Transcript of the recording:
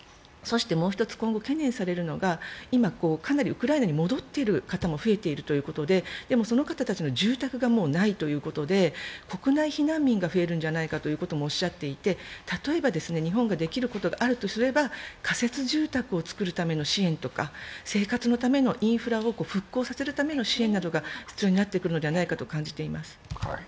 そしてもう一つ、今後懸念されるのが、今、かなりウクライナに戻っている方も増えているということででもその方たちの住宅が、もうないということで国内避難民が増えるんじゃないかとおっしゃっていて、例えば日本ができることがあるとすれば、仮設住宅をつくるための支援とか生活のためのインフラを復興するための支援などが必要になってくるのではないかと感じています。